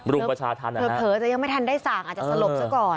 หรือเผลอจะยังไม่ทันได้สั่งอาจจะสลบซะก่อน